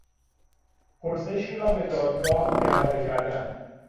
پرسشی را به دادگاه احاله کردن